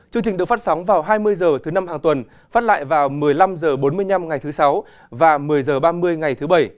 chương trình được phát sóng vào hai mươi h thứ năm hàng tuần phát lại vào một mươi năm h bốn mươi năm ngày thứ sáu và một mươi h ba mươi ngày thứ bảy